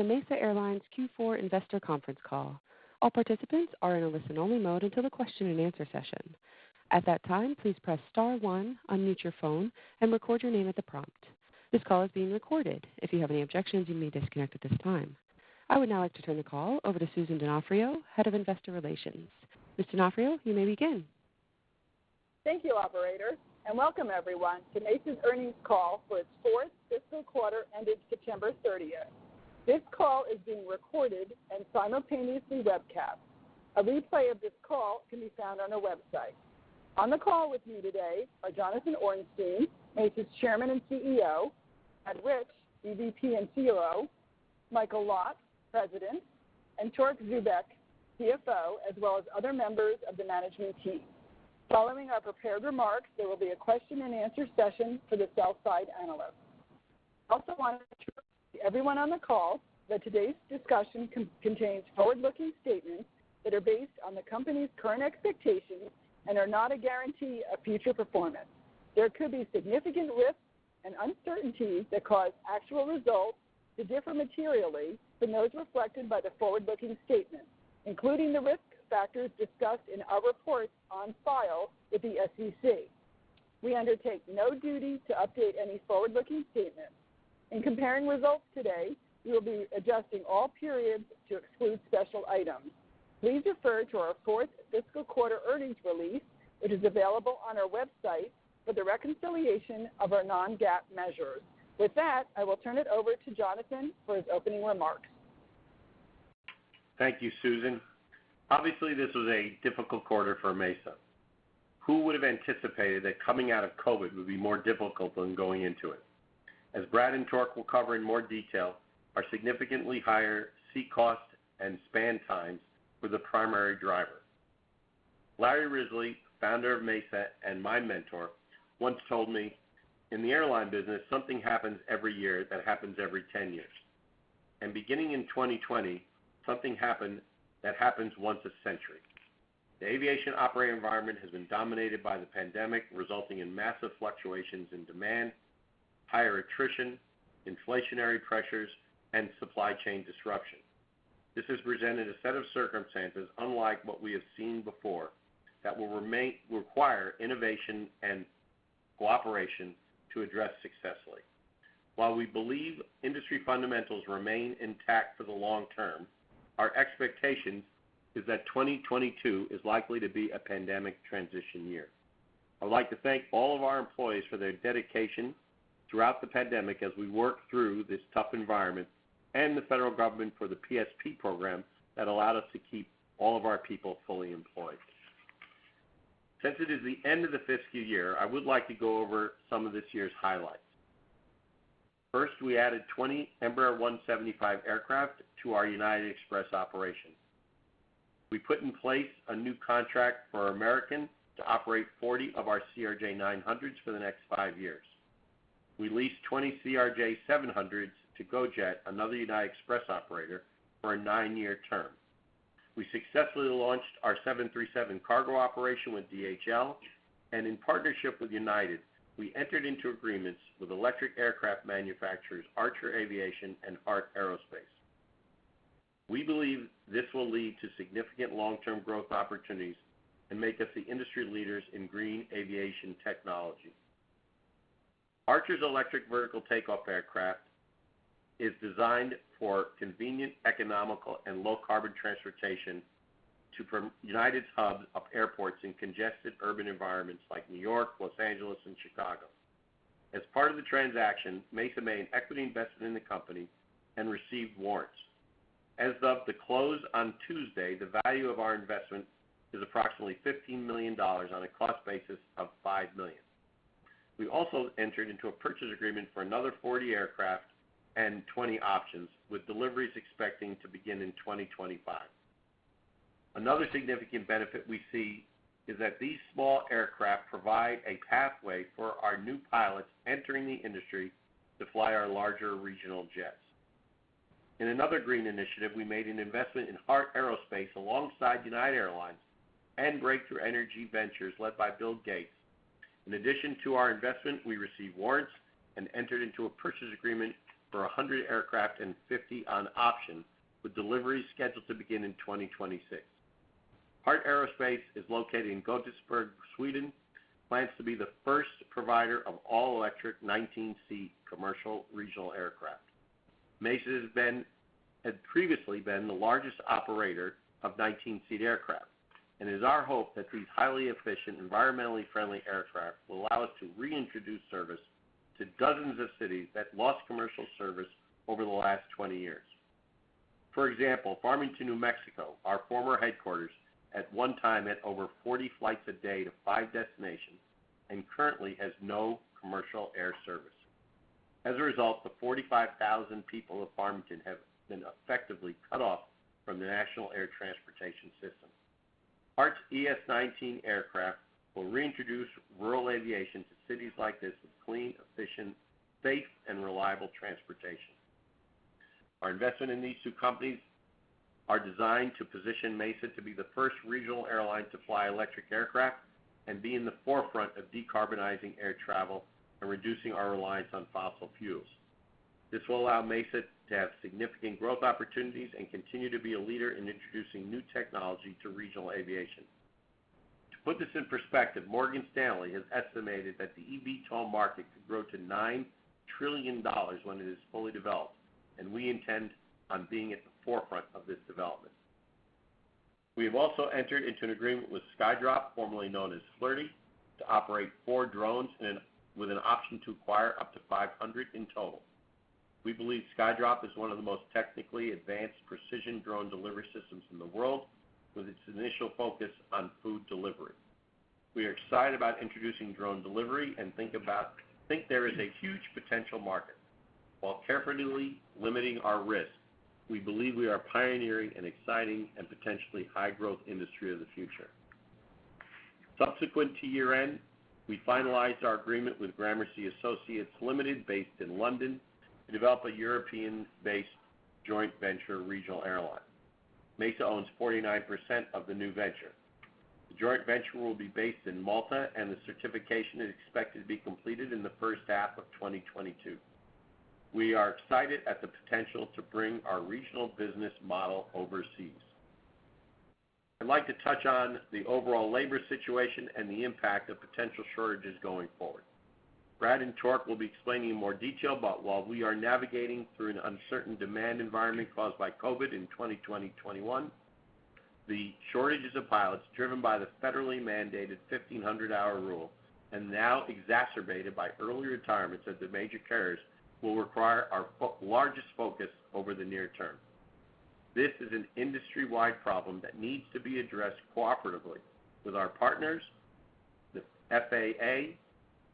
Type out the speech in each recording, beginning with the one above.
to the Mesa Air Group Q4 Investor Conference Call. All participants are in a listen-only mode until the question-and-answer session. At that time, please press star one, unmute your phone, and record your name at the prompt. This call is being recorded. If you have any objections, you may disconnect at this time. I would now like to turn the call over to Susan Donofrio, Head of Investor Relations. Ms. Donofrio, you may begin. Thank you, operator, and welcome everyone to Mesa's Earnings Call for its Fourth Fiscal Quarter ended September 30th. This call is being recorded and simultaneously webcast. A replay of this call can be found on our website. On the call with me today are Jonathan Ornstein, Mesa's Chairman and CEO; Brad Rich, EVP and COO; Michael Lotz, President; and Torque Zubeck, CFO, as well as other members of the management team. Following our prepared remarks, there will be a question-and-answer session for the sell side analysts. I also wanted to remind everyone on the call that today's discussion contains forward-looking statements that are based on the company's current expectations and are not a guarantee of future performance. There could be significant risks and uncertainties that cause actual results to differ materially from those reflected by the forward-looking statements, including the risk factors discussed in our reports on file with the SEC. We undertake no duty to update any forward-looking statements. In comparing results today, we will be adjusting all periods to exclude special items. Please refer to our fourth fiscal quarter earnings release, which is available on our website for the reconciliation of our non-GAAP measures. With that, I will turn it over to Jonathan for his opening remarks. Thank you, Susan. Obviously, this was a difficult quarter for Mesa. Who would have anticipated that coming out of COVID would be more difficult than going into it? As Brad and Torque will cover in more detail, our significantly higher seat costs and span times were the primary driver. Larry Risley, founder of Mesa and my mentor, once told me, "In the airline business, something happens every year that happens every 10 years." Beginning in 2020, something happened that happens once a century. The aviation operating environment has been dominated by the pandemic, resulting in massive fluctuations in demand, higher attrition, inflationary pressures, and supply chain disruption. This has presented a set of circumstances unlike what we have seen before that will require innovation and cooperation to address successfully. While we believe industry fundamentals remain intact for the long term, our expectations is that 2022 is likely to be a pandemic transition year. I'd like to thank all of our employees for their dedication throughout the pandemic as we work through this tough environment and the federal government for the PSP program that allowed us to keep all of our people fully employed. Since it is the end of the fiscal year, I would like to go over some of this year's highlights. First, we added 20 Embraer 175 aircraft to our United Express operation. We put in place a new contract for American to operate 40 of our CRJ900s for the next 5 years. We leased 20 CRJ700s to GoJet, another United Express operator, for a 9-year term. We successfully launched our 737 cargo operation with DHL, and in partnership with United, we entered into agreements with electric aircraft manufacturers Archer Aviation and Heart Aerospace. We believe this will lead to significant long-term growth opportunities and make us the industry leaders in green aviation technology. Archer's electric vertical takeoff aircraft is designed for convenient, economical, and low carbon transportation to United's hub of airports in congested urban environments like New York, Los Angeles, and Chicago. As part of the transaction, Mesa made an equity investment in the company and received warrants. As of the close on Tuesday, the value of our investment is approximately $15 million on a cost basis of $5 million. We also entered into a purchase agreement for another 40 aircraft and 20 options, with deliveries expecting to begin in 2025. Another significant benefit we see is that these small aircraft provide a pathway for our new pilots entering the industry to fly our larger regional jets. In another green initiative, we made an investment in Heart Aerospace alongside United Airlines and Breakthrough Energy Ventures led by Bill Gates. In addition to our investment, we received warrants and entered into a purchase agreement for 100 aircraft and 50 on option, with deliveries scheduled to begin in 2026. Heart Aerospace is located in Gothenburg, Sweden, plans to be the first provider of all-electric 19-seat commercial regional aircraft. Mesa had previously been the largest operator of 19-seat aircraft, and it is our hope that these highly efficient, environmentally friendly aircraft will allow us to reintroduce service to dozens of cities that lost commercial service over the last 20 years. For example, Farmington, New Mexico, our former headquarters at one time had over 40 flights a day to 5 destinations and currently has no commercial air service. As a result, the 45,000 people of Farmington have been effectively cut off from the national air transportation system. Heart's ES-19 aircraft will reintroduce rural aviation to cities like this with clean, efficient, safe, and reliable transportation. Our investment in these two companies are designed to position Mesa to be the first regional airline to fly electric aircraft and be in the forefront of decarbonizing air travel and reducing our reliance on fossil fuels. This will allow Mesa to have significant growth opportunities and continue to be a leader in introducing new technology to regional aviation. To put this in perspective, Morgan Stanley has estimated that the EVTOL market could grow to $9 trillion when it is fully developed, and we intend on being at the forefront of this development. We have also entered into an agreement with SkyDrop, formerly known as Flirtey, to operate four drones with an option to acquire up to 500 in total. We believe SkyDrop is one of the most technically advanced precision drone delivery systems in the world, with its initial focus on food delivery. We are excited about introducing drone delivery and think there is a huge potential market. While carefully limiting our risk, we believe we are pioneering an exciting and potentially high-growth industry of the future. Subsequent to year-end, we finalized our agreement with Gramercy Associates Ltd., based in London, to develop a European-based joint venture regional airline. Mesa owns 49% of the new venture. The joint venture will be based in Malta, and the certification is expected to be completed in the first half of 2022. We are excited at the potential to bring our regional business model overseas. I'd like to touch on the overall labor situation and the impact of potential shortages going forward. Brad and Tork will be explaining in more detail, but while we are navigating through an uncertain demand environment caused by COVID in 2020-2021, the shortages of pilots driven by the federally mandated 1,500-hour rule and now exacerbated by early retirements at the major carriers will require our largest focus over the near term. This is an industry-wide problem that needs to be addressed cooperatively with our partners, the FAA,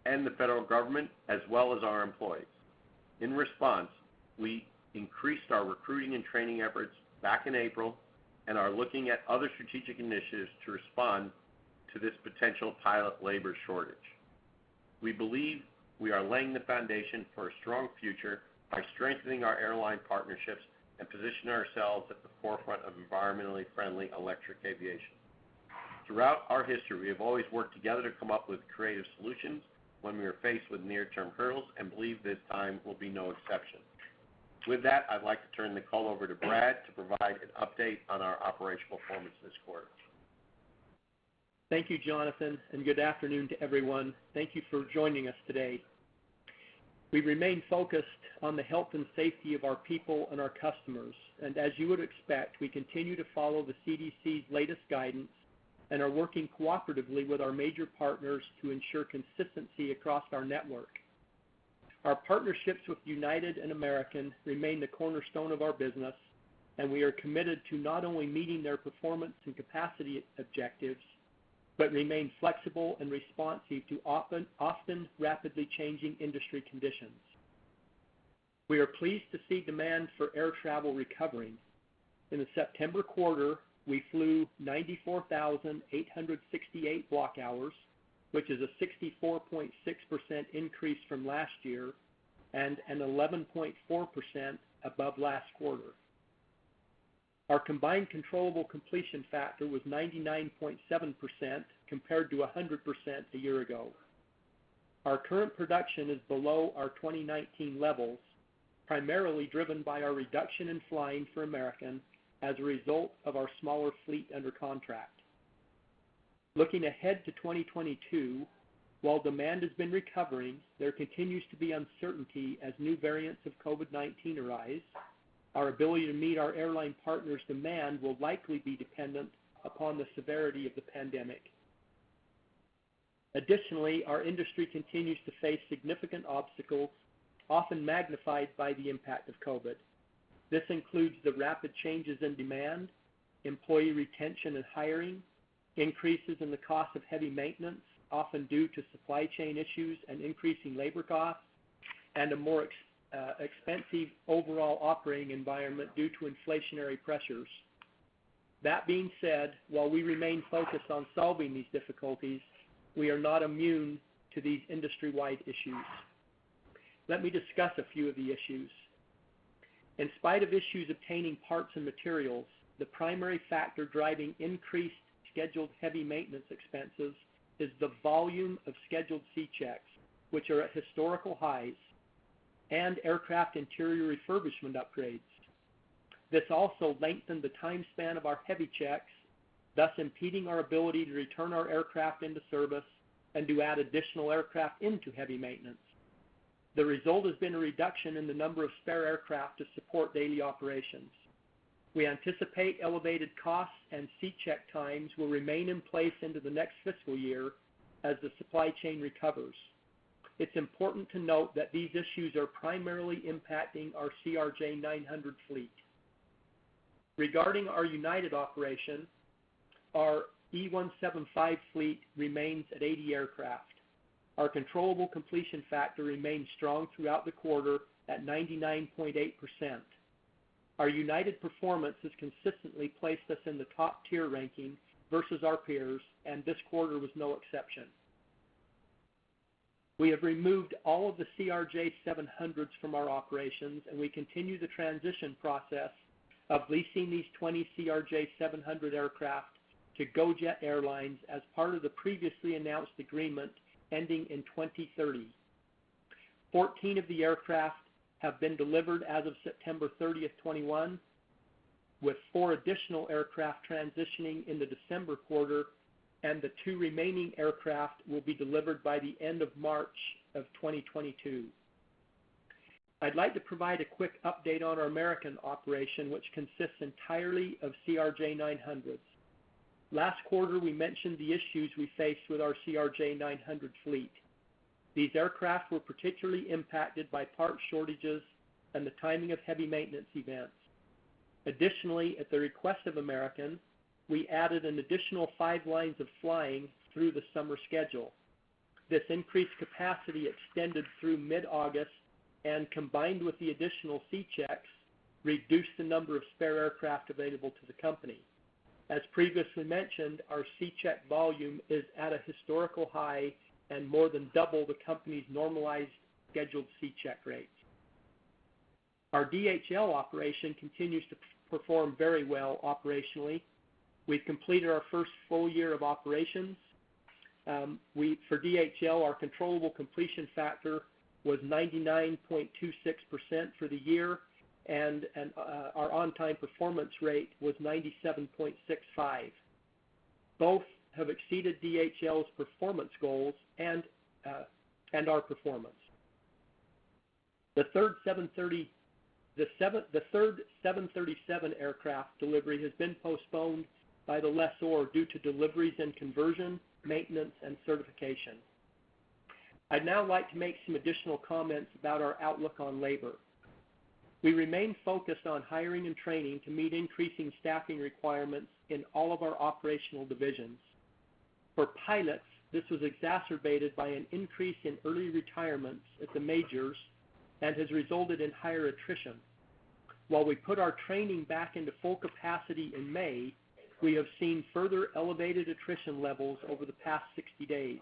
and the federal government, as well as our employees. In response, we increased our recruiting and training efforts back in April and are looking at other strategic initiatives to respond to this potential pilot labor shortage. We believe we are laying the foundation for a strong future by strengthening our airline partnerships and positioning ourselves at the forefront of environmentally friendly electric aviation. Throughout our history, we have always worked together to come up with creative solutions when we are faced with near-term hurdles and believe this time will be no exception. With that, I'd like to turn the call over to Brad to provide an update on our operational performance this quarter. Thank you, Jonathan, and good afternoon to everyone. Thank you for joining us today. We remain focused on the health and safety of our people and our customers. As you would expect, we continue to follow the CDC's latest guidance and are working cooperatively with our major partners to ensure consistency across our network. Our partnerships with United and American remain the cornerstone of our business, and we are committed to not only meeting their performance and capacity objectives, but remain flexible and responsive to often rapidly changing industry conditions. We are pleased to see demand for air travel recovering. In the September quarter, we flew 94,868 block hours, which is a 64.6% increase from last year and an 11.4% above last quarter. Our combined controllable completion factor was 99.7% compared to 100% a year ago. Our current production is below our 2019 levels, primarily driven by our reduction in flying for American as a result of our smaller fleet under contract. Looking ahead to 2022, while demand has been recovering, there continues to be uncertainty as new variants of COVID-19 arise. Our ability to meet our airline partners' demand will likely be dependent upon the severity of the pandemic. Additionally, our industry continues to face significant obstacles, often magnified by the impact of COVID. This includes the rapid changes in demand, employee retention and hiring, increases in the cost of heavy maintenance, often due to supply chain issues and increasing labor costs, and a more expensive overall operating environment due to inflationary pressures. That being said, while we remain focused on solving these difficulties, we are not immune to these industry-wide issues. Let me discuss a few of the issues. In spite of issues obtaining parts and materials, the primary factor driving increased scheduled heavy maintenance expenses is the volume of scheduled C checks, which are at historical highs, and aircraft interior refurbishment upgrades. This also lengthened the time span of our heavy checks, thus impeding our ability to return our aircraft into service and to add additional aircraft into heavy maintenance. The result has been a reduction in the number of spare aircraft to support daily operations. We anticipate elevated costs and C check times will remain in place into the next fiscal year as the supply chain recovers. It's important to note that these issues are primarily impacting our CRJ900 fleet. Regarding our United operations, our E175 fleet remains at 80 aircraft. Our controllable completion factor remained strong throughout the quarter at 99.8%. Our United performance has consistently placed us in the top-tier ranking versus our peers, and this quarter was no exception. We have removed all of the CRJ700s from our operations, and we continue the transition process of leasing these 20 CRJ700 aircraft to GoJet Airlines as part of the previously announced agreement ending in 2030. Fourteen of the aircraft have been delivered as of September 30, 2021, with 4 additional aircraft transitioning in the December quarter, and the 2 remaining aircraft will be delivered by the end of March 2022. I'd like to provide a quick update on our American operation, which consists entirely of CRJ900s. Last quarter, we mentioned the issues we faced with our CRJ900 fleet. These aircraft were particularly impacted by parts shortages and the timing of heavy maintenance events. Additionally, at the request of American, we added an additional 5 lines of flying through the summer schedule. This increased capacity extended through mid-August and combined with the additional C checks, reduced the number of spare aircraft available to the company. As previously mentioned, our C check volume is at a historical high and more than double the company's normalized scheduled C check rates. Our DHL operation continues to perform very well operationally. We've completed our first full year of operations. For DHL, our controllable completion factor was 99.26% for the year, and our on-time performance rate was 97.65%. Both have exceeded DHL's performance goals and our performance. The third 737 aircraft delivery has been postponed by the lessor due to deliveries and conversion, maintenance, and certification. I'd now like to make some additional comments about our outlook on labor. We remain focused on hiring and training to meet increasing staffing requirements in all of our operational divisions. For pilots, this was exacerbated by an increase in early retirements at the majors and has resulted in higher attrition. While we put our training back into full capacity in May, we have seen further elevated attrition levels over the past 60 days.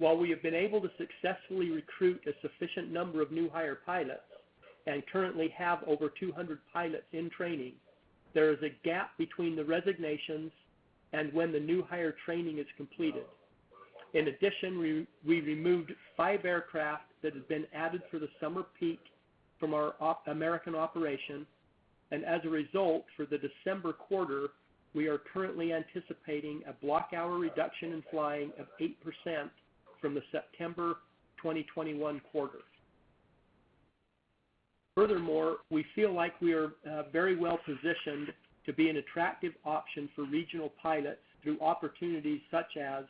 While we have been able to successfully recruit a sufficient number of new hire pilots and currently have over 200 pilots in training, there is a gap between the resignations and when the new hire training is completed. In addition, we removed 5 aircraft that had been added for the summer peak from our American operation, and as a result, for the December quarter, we are currently anticipating a block hour reduction in flying of 8% from the September 2021 quarter. Furthermore, we feel like we are very well-positioned to be an attractive option for regional pilots through opportunities such as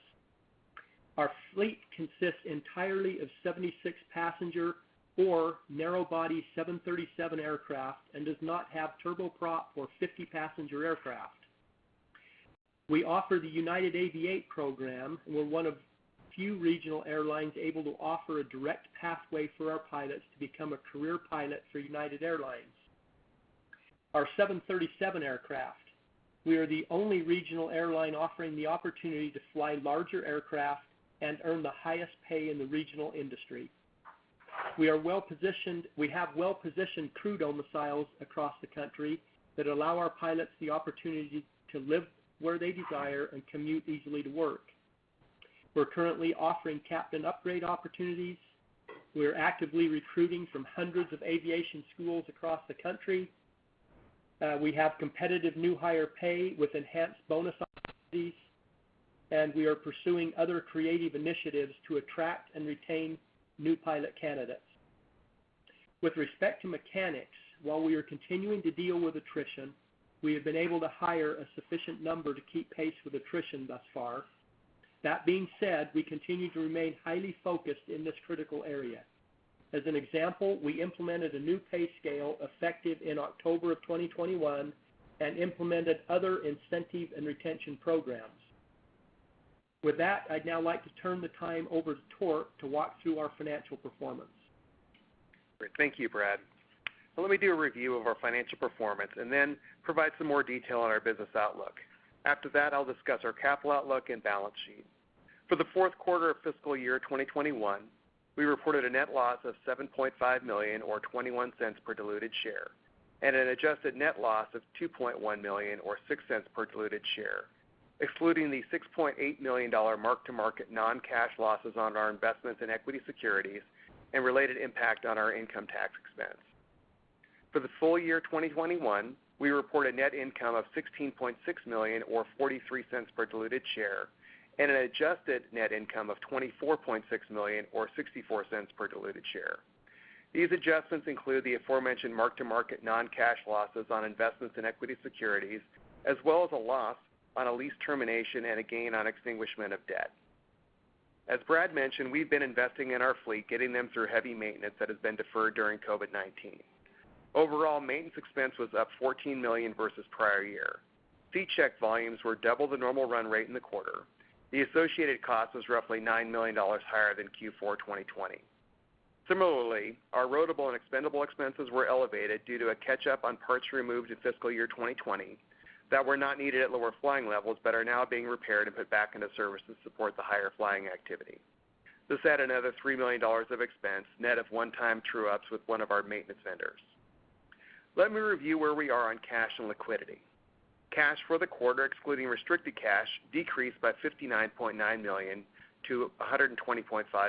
our fleet consists entirely of 76-passenger or narrow body 737 aircraft and does not have turboprop or 50-passenger aircraft. We offer the United Aviate program. We're one of few regional airlines able to offer a direct pathway for our pilots to become a career pilot for United Airlines. Our 737 aircraft, we are the only regional airline offering the opportunity to fly larger aircraft and earn the highest pay in the regional industry. We have well-positioned crew domiciles across the country that allow our pilots the opportunity to live where they desire and commute easily to work. We're currently offering captain upgrade opportunities. We are actively recruiting from hundreds of aviation schools across the country. We have competitive new hire pay with enhanced bonus opportunities, and we are pursuing other creative initiatives to attract and retain new pilot candidates. With respect to mechanics, while we are continuing to deal with attrition, we have been able to hire a sufficient number to keep pace with attrition thus far. That being said, we continue to remain highly focused in this critical area. As an example, we implemented a new pay scale effective in October of 2021 and implemented other incentive and retention programs. With that, I'd now like to turn the time over to Torque to walk through our financial performance. Great. Thank you, Brad. Let me do a review of our financial performance and then provide some more detail on our business outlook. After that, I'll discuss our capital outlook and balance sheet. For the fourth quarter of fiscal year 2021, we reported a net loss of $7.5 million or $0.21 per diluted share and an adjusted net loss of $2.1 million or $0.06 per diluted share, excluding the $6.8 million dollar mark-to-market non-cash losses on our investments in equity securities and related impact on our income tax expense. For the full year 2021, we report a net income of $16.6 million or $0.43 per diluted share and an adjusted net income of $24.6 million or $0.64 per diluted share. These adjustments include the aforementioned mark-to-market non-cash losses on investments in equity securities, as well as a loss on a lease termination and a gain on extinguishment of debt. As Brad mentioned, we've been investing in our fleet, getting them through heavy maintenance that has been deferred during COVID-19. Overall, maintenance expense was up $14 million versus prior year. C check volumes were double the normal run rate in the quarter. The associated cost was roughly $9 million higher than Q4 2020. Similarly, our rotable and expendable expenses were elevated due to a catch-up on parts removed in fiscal year 2020 that were not needed at lower flying levels, but are now being repaired and put back into service to support the higher flying activity. This add another $3 million of expense, net of one-time true ups with one of our maintenance vendors. Let me review where we are on cash and liquidity. Cash for the quarter, excluding restricted cash, decreased by $59.9 million to $120.5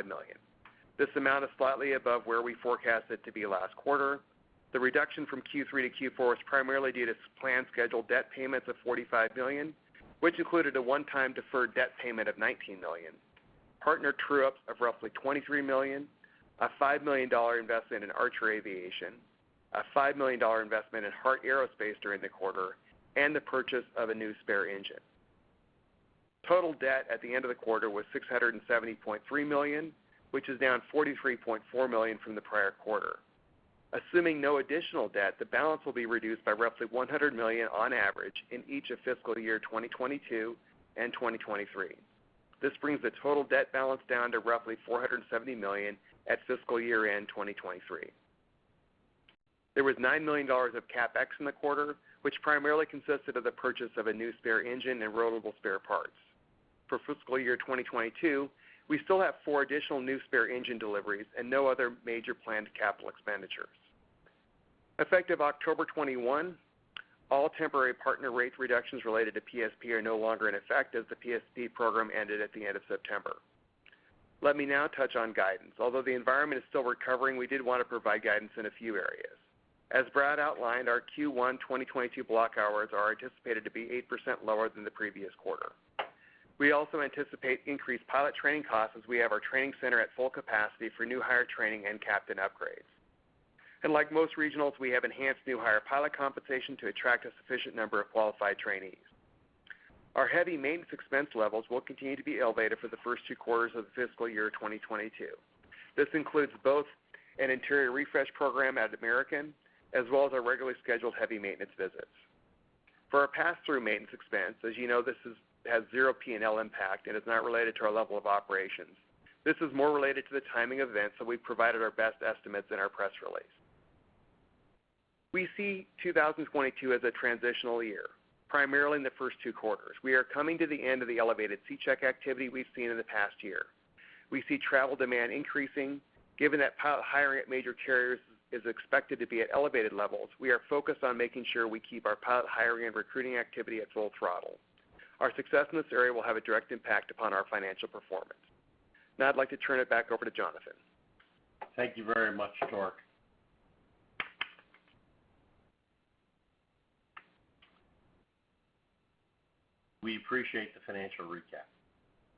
million. This amount is slightly above where we forecasted to be last quarter. The reduction from Q3 to Q4 is primarily due to planned scheduled debt payments of $45 billion, which included a one-time deferred debt payment of $19 million, partner true-ups of roughly $23 million, a $5 million investment in Archer Aviation, a $5 million investment in Heart Aerospace during the quarter, and the purchase of a new spare engine. Total debt at the end of the quarter was $670.3 million, which is down $43.4 million from the prior quarter. Assuming no additional debt, the balance will be reduced by roughly $100 million on average in each of fiscal year 2022 and 2023. This brings the total debt balance down to roughly $470 million at fiscal year-end 2023. There was $9 million of CapEx in the quarter, which primarily consisted of the purchase of a new spare engine and rotable spare parts. For fiscal year 2022, we still have 4 additional new spare engine deliveries and no other major planned capital expenditures. Effective October 21, all temporary partner rate reductions related to PSP are no longer in effect as the PSP program ended at the end of September. Let me now touch on guidance. Although the environment is still recovering, we did wanna provide guidance in a few areas. As Brad outlined, our Q1 2022 block hours are anticipated to be 8% lower than the previous quarter. We also anticipate increased pilot training costs as we have our training center at full capacity for new hire training and captain upgrades. Like most regionals, we have enhanced new hire pilot compensation to attract a sufficient number of qualified trainees. Our heavy maintenance expense levels will continue to be elevated for the first two quarters of fiscal year 2022. This includes both an interior refresh program at American, as well as our regularly scheduled heavy maintenance visits. For our pass-through maintenance expense, as you know, this has zero P&L impact and is not related to our level of operations. This is more related to the timing of events, so we've provided our best estimates in our press release. We see 2022 as a transitional year, primarily in the first two quarters. We are coming to the end of the elevated C check activity we've seen in the past year. We see travel demand increasing. Given that pilot hiring at major carriers is expected to be at elevated levels, we are focused on making sure we keep our pilot hiring and recruiting activity at full throttle. Our success in this area will have a direct impact upon our financial performance. Now, I'd like to turn it back over to Jonathan. Thank you very much, Torque. We appreciate the financial recap.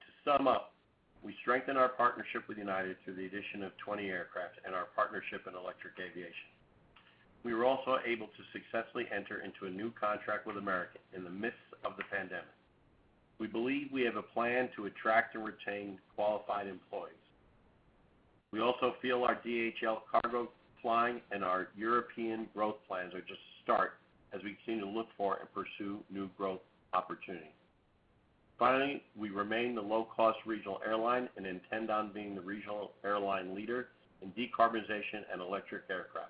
To sum up, we strengthen our partnership with United through the addition of 20 aircraft and our partnership in electric aviation. We were also able to successfully enter into a new contract with American in the midst of the pandemic. We believe we have a plan to attract and retain qualified employees. We also feel our DHL Cargo flying and our European growth plans are just the start as we continue to look for and pursue new growth opportunities. Finally, we remain the low-cost regional airline and intend on being the regional airline leader in decarbonization and electric aircraft.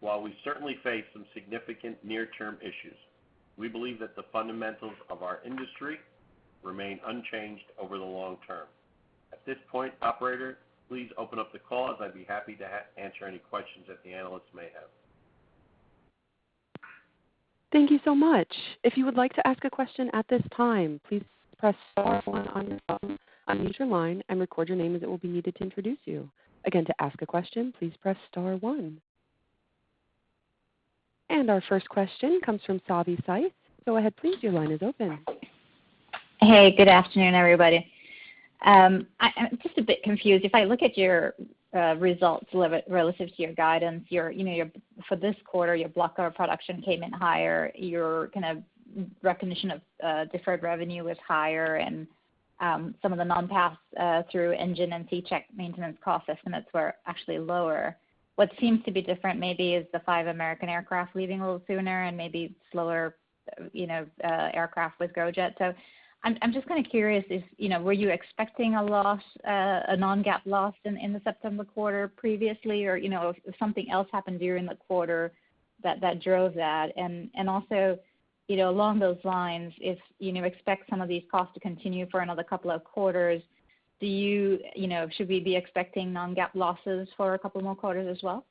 While we certainly face some significant near-term issues, we believe that the fundamentals of our industry remain unchanged over the long term. At this point, operator, please open up the call, as I'd be happy to answer any questions that the analysts may have. Thank you so much. If you would like to ask a question at this time, please press star one on your phone, unmute your line, and record your name as it will be needed to introduce you. Again, to ask a question, please press star one. Our first question comes from Savi Syth. Go ahead please, your line is open. Hey, good afternoon, everybody. I'm just a bit confused. If I look at your results relative to your guidance, you know, your. For this quarter, your block hour production came in higher. Your kind of recognition of deferred revenue was higher and some of the non-pass-through engine and C-check maintenance cost estimates were actually lower. What seems to be different maybe is the 5 American aircraft leaving a little sooner and maybe slower, you know, aircraft with GoJet. I'm just kinda curious if, you know, were you expecting a loss, a non-GAAP loss in the September quarter previously? Or, you know, if something else happened during the quarter that drove that. Also, you know, along those lines, if you expect some of these costs to continue for another couple of quarters, should we be expecting non-GAAP losses for a couple more quarters as well?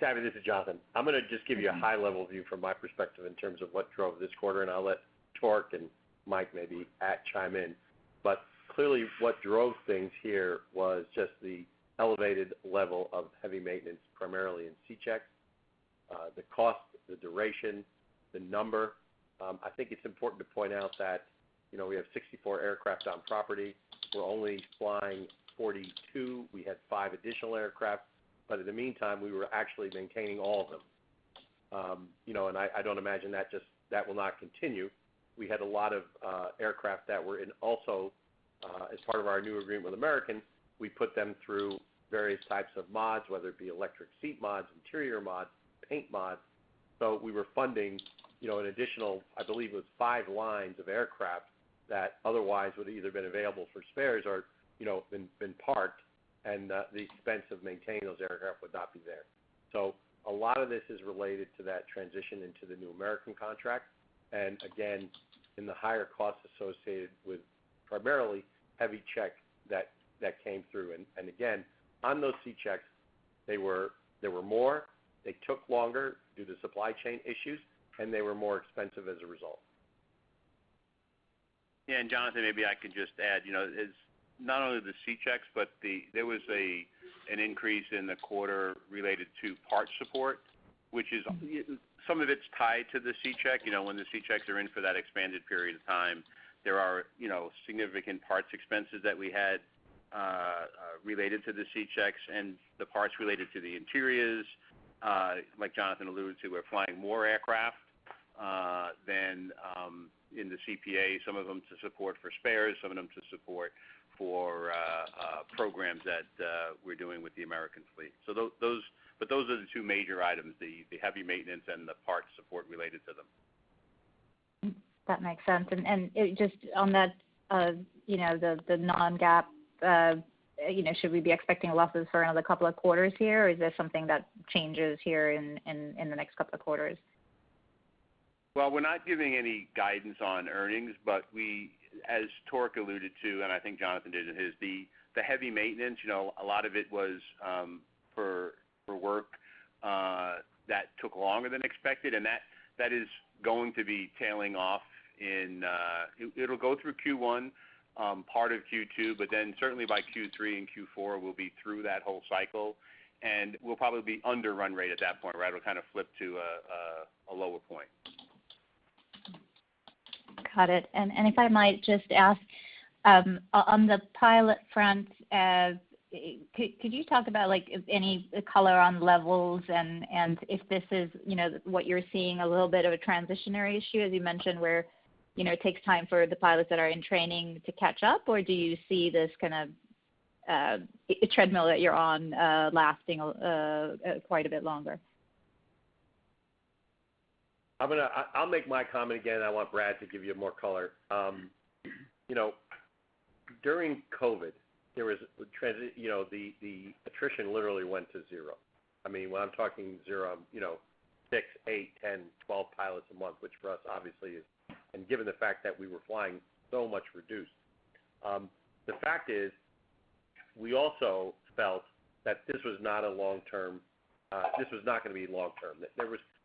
Savi, this is Jonathan. I'm gonna just give you a high-level view from my perspective in terms of what drove this quarter, and I'll let Torque and Mike maybe chime in. Clearly, what drove things here was just the elevated level of heavy maintenance, primarily in C check. The cost, the duration, the number. I think it's important to point out that, you know, we have 64 aircraft on property. We're only flying 42. We had 5 additional aircraft, but in the meantime, we were actually maintaining all of them. You know, I don't imagine that will not continue. We had a lot of aircraft that were in, also, as part of our new agreement with American. We put them through various types of mods, whether it be electric seat mods, interior mods, paint mods. We were funding, you know, an additional. I believe it was 5 lines of aircraft that otherwise would either been available for spares or, you know, been parked, and the expense of maintaining those aircraft would not be there. A lot of this is related to that transition into the new American contract, and again, in the higher costs associated with primarily heavy checks that came through. Again, on those C checks, they were. There were more. They took longer due to supply chain issues, and they were more expensive as a result. Yeah, Jonathan, maybe I can just add, you know, it's not only the C checks, but there was an increase in the quarter related to parts support. Some of it's tied to the C check. You know, when the C checks are in for that expanded period of time, there are, you know, significant parts expenses that we had related to the C checks and the parts related to the interiors, like Jonathan alluded to, we're flying more aircraft than in the CPA, some of them to support for spares, some of them to support for programs that we're doing with the American fleet. So those are the two major items, the heavy maintenance and the parts support related to them. That makes sense. Just on that, you know, the non-GAAP, you know, should we be expecting losses for another couple of quarters here, or is this something that changes here in the next couple of quarters? Well, we're not giving any guidance on earnings, but we, as Torque alluded to, and I think Jonathan did in his, the heavy maintenance, you know, a lot of it was for work that took longer than expected, and that is going to be tailing off in. It'll go through Q1, part of Q2, but then certainly by Q3 and Q4, we'll be through that whole cycle, and we'll probably be under run rate at that point, right? It'll kind of flip to a lower point. Got it. If I might just ask, on the pilot front, could you talk about like, if any color on levels and if this is, you know, what you're seeing a little bit of a transitionary issue, as you mentioned, where, you know, it takes time for the pilots that are in training to catch up? Or do you see this kind of treadmill that you're on, lasting quite a bit longer? I'll make my comment again, and I want Brad to give you more color. You know, during COVID, the attrition literally went to zero. I mean, when I'm talking zero, you know, 6, 8, 10, 12 pilots a month, which for us obviously is, and given the fact that we were flying so much reduced. The fact is we also felt that this was not gonna be long-term.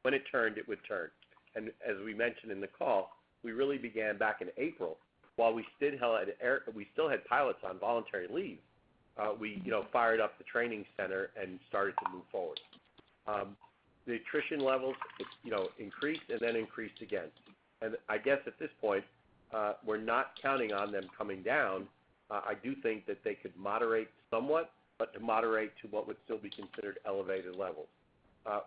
When it turned, it would turn. As we mentioned in the call, we really began back in April, while we still had pilots on voluntary leave. We, you know, fired up the training center and started to move forward. The attrition levels, you know, increased and then increased again. I guess at this point, we're not counting on them coming down. I do think that they could moderate somewhat, but to moderate to what would still be considered elevated levels.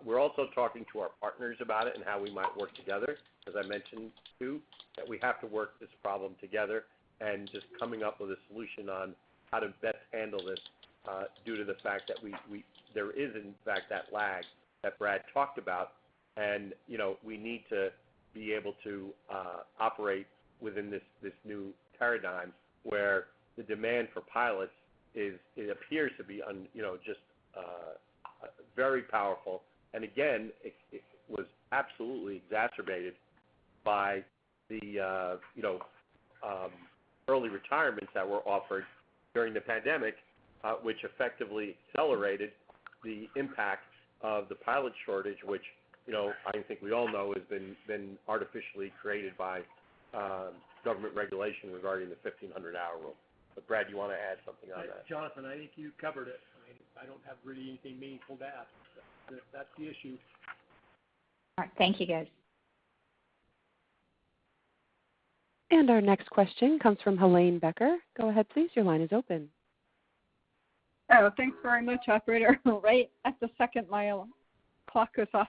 We're also talking to our partners about it and how we might work together, as I mentioned too, that we have to work this problem together and just coming up with a solution on how to best handle this, due to the fact that there is in fact that lag that Brad talked about. You know, we need to be able to operate within this new paradigm where the demand for pilots is it appears to be you know just very powerful. It was absolutely exacerbated by the you know early retirements that were offered during the pandemic, which effectively accelerated the impact of the pilot shortage, which you know I think we all know has been artificially created by government regulation regarding the 1,500-hour rule. Brad, you wanna add something on that? Jonathan, I think you covered it. I mean, I don't have really anything meaningful to add. That's the issue. All right. Thank you guys. Our next question comes from Helane Becker. Go ahead, please. Your line is open. Oh, thanks very much, operator. Right at the second my clock goes off.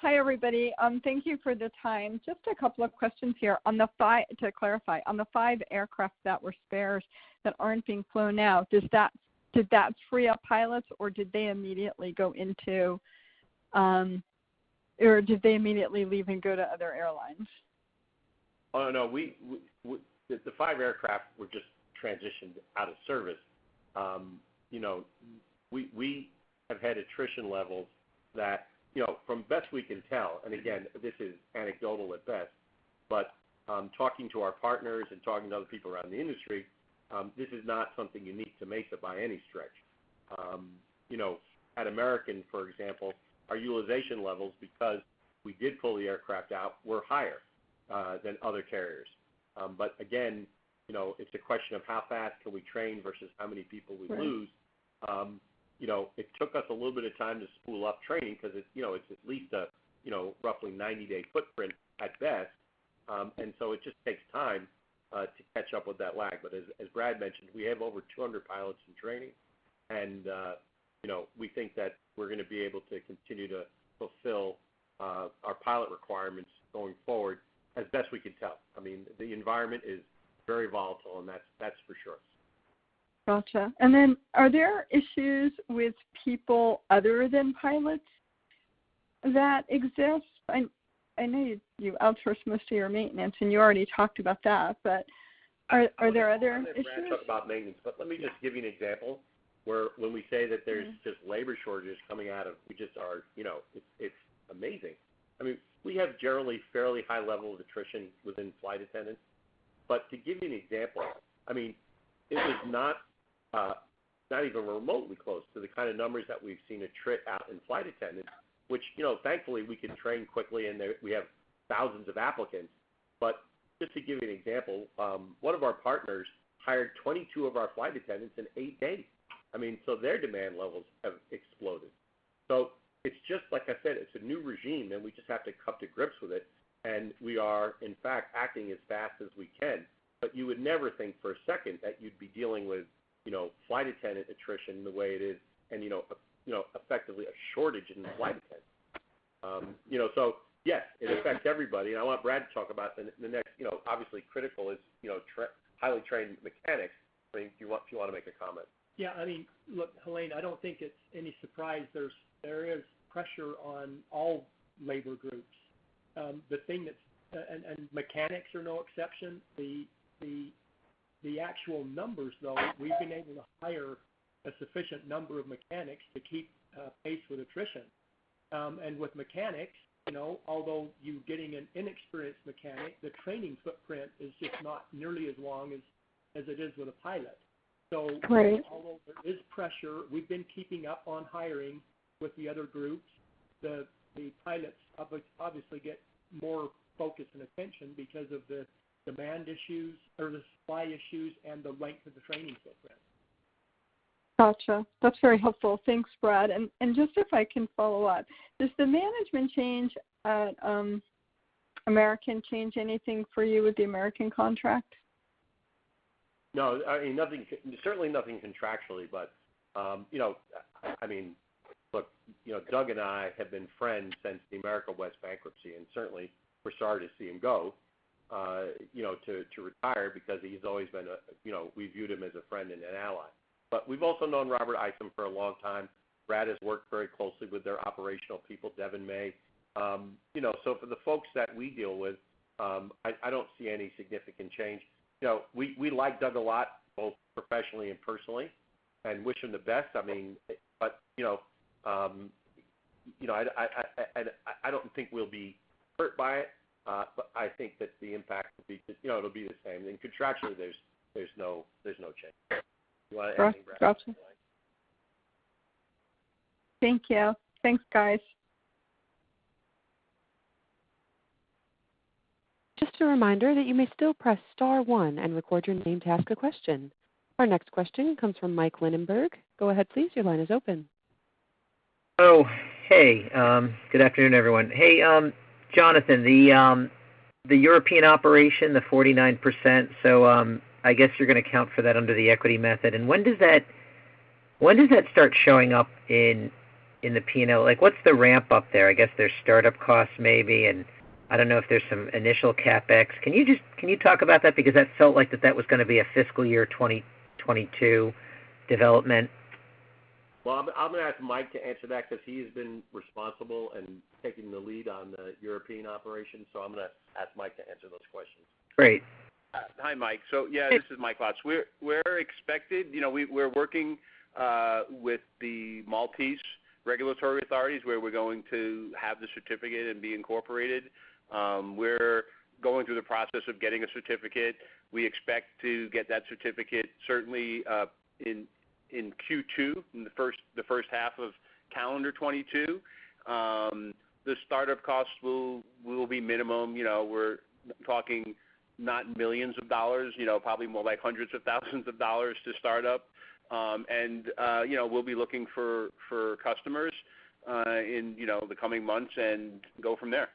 Hi, everybody. Thank you for the time. Just a couple of questions here. To clarify, on the 5 aircraft that were spares that aren't being flown now, did that free up pilots, or did they immediately leave and go to other airlines? Oh, no. The five aircraft were just transitioned out of service. You know, we have had attrition levels that, you know, from best we can tell, and again, this is anecdotal at best, but talking to our partners and talking to other people around the industry, this is not something unique to Mesa by any stretch. You know, at American, for example, our utilization levels, because we did pull the aircraft out, were higher than other carriers. But again, you know, it's the question of how fast can we train versus how many people we lose. Right. You know, it took us a little bit of time to spool up training because it's, you know, it's at least a, you know, roughly 90-day footprint at best. It just takes time to catch up with that lag. But as Brad mentioned, we have over 200 pilots in training, and, you know, we think that we're gonna be able to continue to fulfill our pilot requirements going forward as best we can tell. I mean, the environment is very volatile, and that's for sure. Gotcha. Are there issues with people other than pilots that exist? I know you outsource most of your maintenance, and you already talked about that, but are there other issues? I'll let Brad talk about maintenance. Yeah. Let me just give you an example where when we say that there's Mm-hmm You know, it's amazing. I mean, we have generally fairly high level of attrition within flight attendants. To give you an example, I mean, it is not even remotely close to the kind of numbers that we've seen attrition out in flight attendants, which, you know, thankfully, we can train quickly, and we have thousands of applicants. Just to give you an example, one of our partners hired 22 of our flight attendants in eight days. I mean, their demand levels have exploded. It's just like I said, it's a new regime, and we just have to come to grips with it, and we are in fact acting as fast as we can. You would never think for a second that you'd be dealing with, you know, flight attendant attrition the way it is and, you know, effectively a shortage in flight attendants. You know, yes, it affects everybody, and I want Brad to talk about the next, you know, obviously critical is, you know, highly trained mechanics. I mean, if you want, if you wanna make a comment. Yeah. I mean, look, Helane, I don't think it's any surprise there is pressure on all labor groups. Mechanics are no exception. The actual numbers, though, we've been able to hire a sufficient number of mechanics to keep pace with attrition. With mechanics, you know, although you're getting an inexperienced mechanic, the training footprint is just not nearly as long as it is with a pilot. Right. Although there is pressure, we've been keeping up on hiring with the other groups. The pilots obviously get more focus and attention because of the demand issues or the supply issues and the length of the training footprint. Gotcha. That's very helpful. Thanks, Brad. Just if I can follow up, does the management change at American change anything for you with the American contract? No. I mean, nothing, certainly nothing contractually. You know, I mean, look, you know, Doug and I have been friends since the America West bankruptcy, and certainly we're sorry to see him go, you know, to retire because he's always been a friend and an ally. We've also known Robert Isom for a long time. Brad has worked very closely with their operational people, Devon May. You know, so for the folks that we deal with, I don't see any significant change. You know, we like Doug a lot, both professionally and personally, and wish him the best. I mean, it. You know, you know, I don't think we'll be hurt by it. I think that the impact will be just. You know, it'll be the same. Contractually, there's no change. You want to add anything, Brad? Gotcha. Thank you. Thanks, guys. Just a reminder that you may still press star one and record your name to ask a question. Our next question comes from Mike Linenberg. Go ahead please. Your line is open. Good afternoon, everyone. Hey, Jonathan, the European operation, the 49%, so I guess you're gonna account for that under the equity method. When does that start showing up in the P&L? Like, what's the ramp-up there? I guess there's startup costs maybe, and I don't know if there's some initial CapEx. Can you talk about that? Because that felt like that was gonna be a fiscal year 2022 development. Well, I'm gonna ask Mike to answer that because he has been responsible and taking the lead on the European operation. I'm gonna ask Mike to answer those questions. Great. Hi, Mike. Yeah, this is Mike Lotz. We're working with the Maltese regulatory authorities, where we're going to have the certificate and be incorporated. We're going through the process of getting a certificate. We expect to get that certificate certainly in Q2, in the first half of calendar 2022. The start-up costs will be minimal. You know, we're talking not millions of dollars, you know, probably more like hundreds of thousands of dollars to start up. You know, we'll be looking for customers in the coming months and go from there.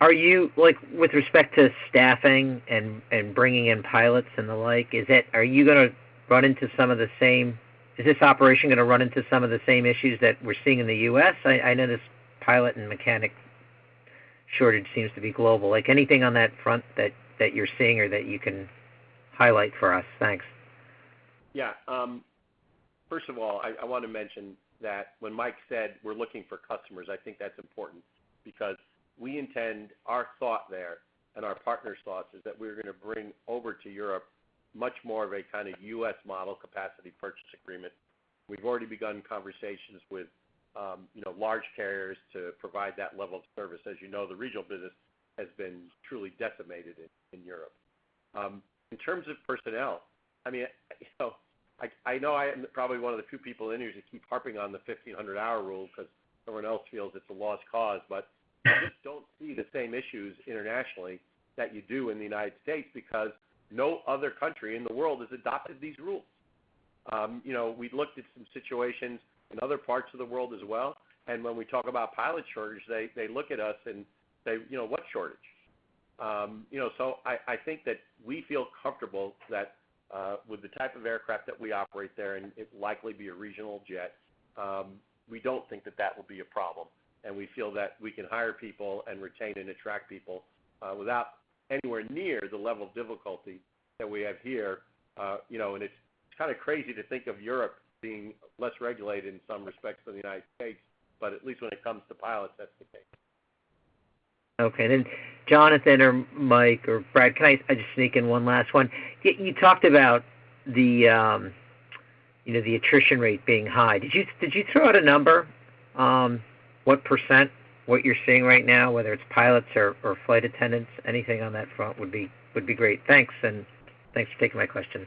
With respect to staffing and bringing in pilots and the like, is this operation gonna run into some of the same issues that we're seeing in the U.S.? I know this pilot and mechanic shortage seems to be global. Like, anything on that front that you're seeing or that you can highlight for us? Thanks. Yeah. First of all, I wanna mention that when Mike said we're looking for customers, I think that's important because we intend. Our thought there and our partner's thoughts is that we're gonna bring over to Europe much more of a kind of U.S. model capacity purchase agreement. We've already begun conversations with, you know, large carriers to provide that level of service. As you know, the regional business has been truly decimated in Europe. In terms of personnel, I mean, you know, I know I am probably one of the few people in here who keep harping on the 1,500-hour rule because everyone else feels it's a lost cause, but I just don't see the same issues internationally that you do in the United States because no other country in the world has adopted these rules. You know, we've looked at some situations in other parts of the world as well, and when we talk about pilot shortage, they look at us and say, "You know, what shortage?" You know, I think that we feel comfortable that with the type of aircraft that we operate there, and it'll likely be a regional jet, we don't think that will be a problem. We feel that we can hire people and retain and attract people without anywhere near the level of difficulty that we have here. You know, it's kind of crazy to think of Europe being less regulated in some respects than the United States, but at least when it comes to pilots, that's the case. Okay. Jonathan or Mike or Brad, can I just sneak in one last one? You talked about the, you know, the attrition rate being high. Did you throw out a number, what %, what you're seeing right now, whether it's pilots or flight attendants? Anything on that front would be great. Thanks, and thanks for taking my question.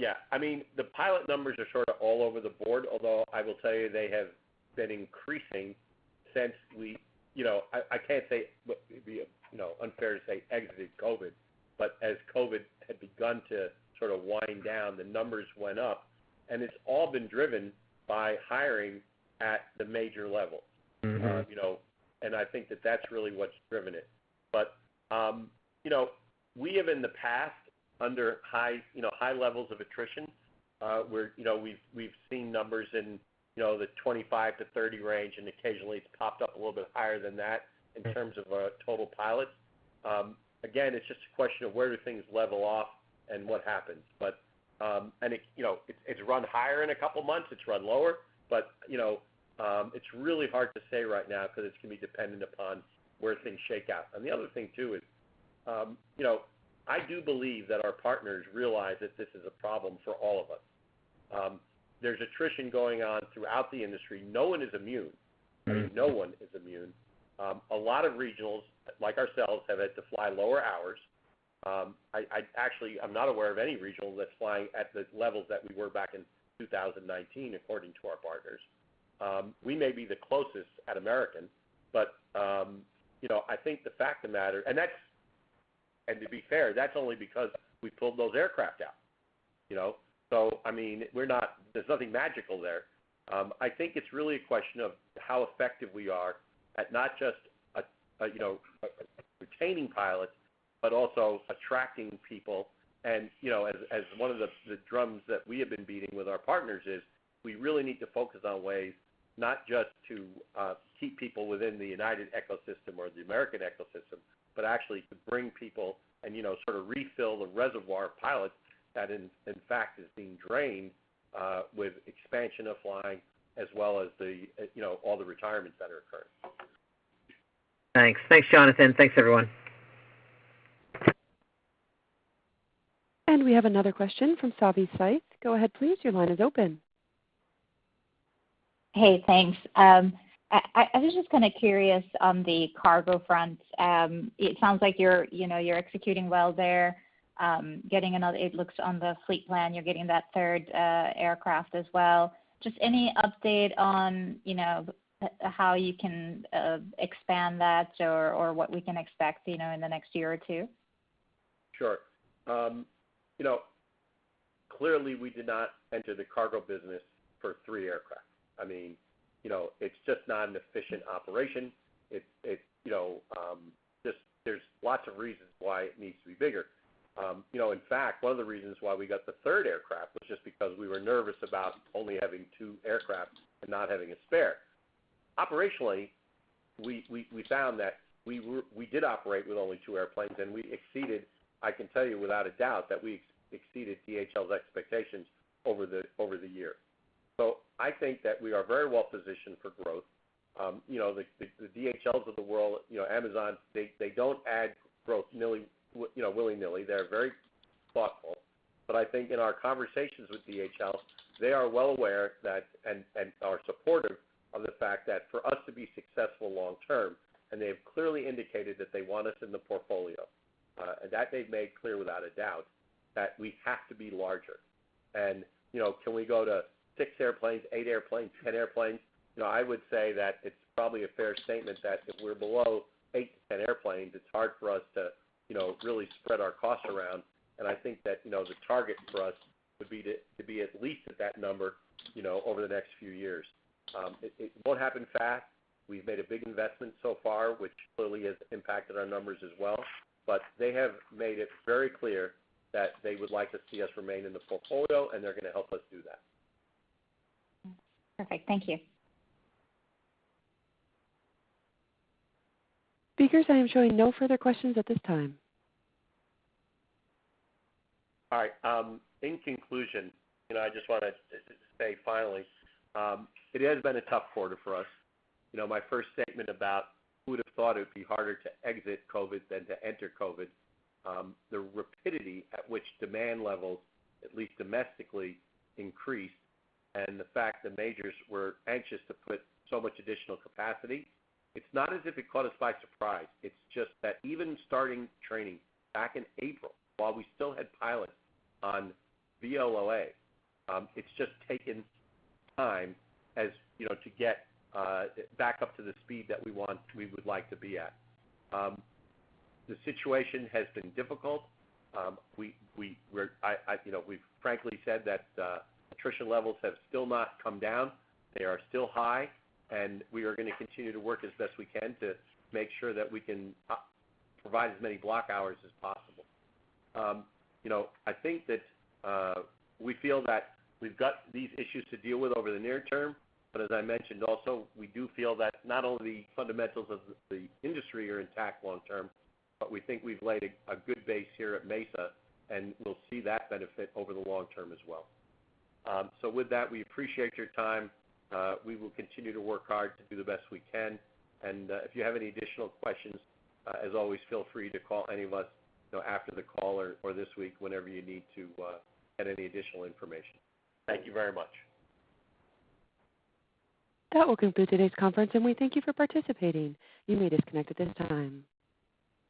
Yeah. I mean, the pilot numbers are sort of all over the board, although I will tell you they have been increasing since. You know, I can't say what it'd be, you know, unfair to say exiting COVID, but as COVID had begun to sort of wind down, the numbers went up, and it's all been driven by hiring at the major levels. Mm-hmm. You know, I think that that's really what's driven it. You know, we have in the past, under high, you know, high levels of attrition, you know, we've seen numbers in, you know, the 25-30 range, and occasionally it's popped up a little bit higher than that. Mm-hmm. In terms of total pilots. Again, it's just a question of where do things level off and what happens. You know, it's run higher in a couple months, it's run lower. You know, it's really hard to say right now because it's gonna be dependent upon where things shake out. The other thing too is, you know, I do believe that our partners realize that this is a problem for all of us. There's attrition going on throughout the industry. No one is immune. Mm-hmm. No one is immune. A lot of regionals like ourselves have had to fly lower hours. I actually—I'm not aware of any regional that's flying at the levels that we were back in 2019 according to our partners. We may be the closest at American, but you know, I think the fact of the matter. To be fair, that's only because we pulled those aircraft out, you know? I mean, we're not—there's nothing magical there. I think it's really a question of how effective we are at not just you know, retaining pilots, but also attracting people. You know, as one of the drums that we have been beating with our partners is we really need to focus on ways not just to keep people within the United ecosystem or the American ecosystem, but actually to bring people and, you know, sort of refill the reservoir of pilots that in fact is being drained with expansion of flying as well as the, you know, all the retirements that are occurring. Thanks. Thanks, Jonathan. Thanks, everyone. We have another question from Savi Syth. Go ahead, please. Your line is open. Hey, thanks. I was just kind of curious on the cargo front. It sounds like you're, you know, you're executing well there, getting another—it looks on the fleet plan, you're getting that third aircraft as well. Just any update on, you know, how you can expand that or what we can expect, you know, in the next year or two? Sure. You know, clearly we did not enter the cargo business for three aircraft. I mean, you know, it's just not an efficient operation. It's just not an efficient operation. You know, there's lots of reasons why it needs to be bigger. You know, in fact, one of the reasons why we got the third aircraft was just because we were nervous about only having two aircraft and not having a spare. Operationally, we found that we did operate with only two airplanes, and we exceeded. I can tell you without a doubt that we exceeded DHL's expectations over the year. I think that we are very well positioned for growth. You know, the DHLs of the world, Amazon, they don't add growth willy-nilly. They're very thoughtful. I think in our conversations with DHL, they are well aware that and are supportive of the fact that for us to be successful long term, and they have clearly indicated that they want us in the portfolio, that they've made clear without a doubt, that we have to be larger. You know, can we go to 6 airplanes, 8 airplanes, 10 airplanes? You know, I would say that it's probably a fair statement that if we're below 8-10 airplanes, it's hard for us to, you know, really spread our costs around. I think that, you know, the target for us would be to be at least at that number, you know, over the next few years. It won't happen fast. We've made a big investment so far, which clearly has impacted our numbers as well. They have made it very clear that they would like to see us remain in the portfolio, and they're gonna help us do that. Perfect. Thank you. Speakers, I am showing no further questions at this time. All right. In conclusion, you know, I just wanna say finally, it has been a tough quarter for us. You know, my first statement about who would have thought it would be harder to exit COVID than to enter COVID, the rapidity at which demand levels, at least domestically, increased and the fact the majors were anxious to put so much additional capacity, it's not as if it caught us by surprise. It's just that even starting training back in April, while we still had pilots on VLOA, it's just taken time as, you know, to get back up to the speed that we want, we would like to be at. The situation has been difficult. You know, we've frankly said that attrition levels have still not come down. They are still high, and we are gonna continue to work as best we can to make sure that we can provide as many block hours as possible. You know, I think that we feel that we've got these issues to deal with over the near term, but as I mentioned, also, we do feel that not only the fundamentals of the industry are intact long term, but we think we've laid a good base here at Mesa, and we'll see that benefit over the long term as well. So with that, we appreciate your time. We will continue to work hard to do the best we can. If you have any additional questions, as always, feel free to call any of us, you know, after the call or this week whenever you need to get any additional information. Thank you very much. That will conclude today's conference, and we thank you for participating. You may disconnect at this time.